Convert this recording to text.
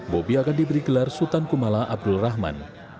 bobi akan diberi gelar sultan kumala abdul rahman